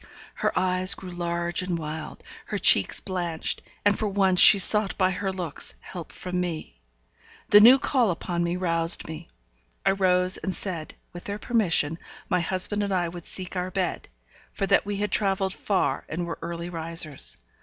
Her eyes grew large and wild, her cheeks blanched, and for once she sought by her looks help from me. The new call upon me roused me. I rose and said, with their permission my husband and I would seek our bed, for that we had travelled far and were early risers.